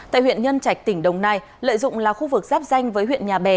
tại huyện nhân trạch tỉnh đồng nai lợi dụng là khu vực giáp danh với huyện nhà bè